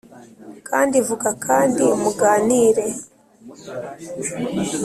kandi vuga kandi muganire!